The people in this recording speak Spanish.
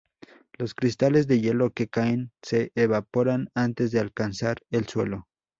Los cristales de hielo que caen se evaporan antes de alcanzar el suelo.